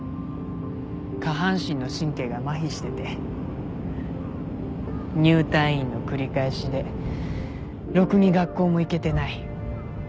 下半身の神経がまひしてて入退院の繰り返しでろくに学校も行けてない。